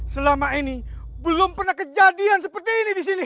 selama ini belum pernah kejadian seperti ini di sini